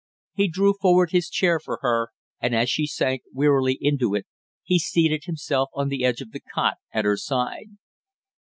He drew forward his chair for her, and as she sank wearily into it, he seated himself on the edge of the cot at her side.